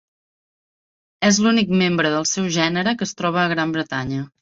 És l'únic membre del seu gènere que es troba a Gran Bretanya.